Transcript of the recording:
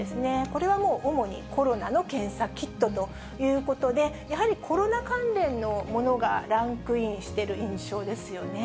これはもう、主にコロナの検査キットということで、やはりコロナ関連のものがランクインしている印象ですよね。